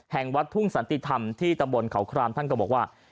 แห่งวัดทุ่งสันติธรรมที่ตำบลเขาครามท่านก็บอกว่า